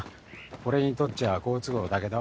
俺にとっちゃ好都合だけど。